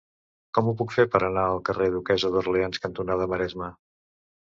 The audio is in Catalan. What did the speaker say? Com ho puc fer per anar al carrer Duquessa d'Orleans cantonada Maresme?